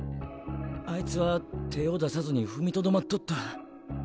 あいつは手ぇを出さずに踏みとどまっとった。